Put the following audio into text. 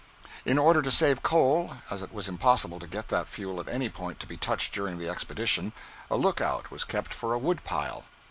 In order to save coal, as it was impossible to get that fuel at any point to be touched during the expedition, a look out was kept for a wood pile.